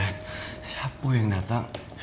siapa yang datang